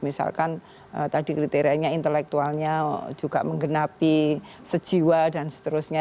misalkan tadi kriterianya intelektualnya juga menggenapi sejiwa dan seterusnya